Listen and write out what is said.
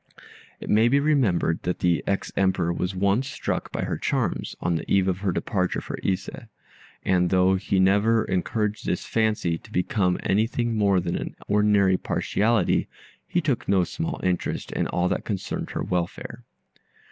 It may be remembered that the ex Emperor was once struck by her charms, on the eve of her departure for Ise; and though he never encouraged this fancy to become anything more than an ordinary partiality, he took no small interest in all that concerned her welfare.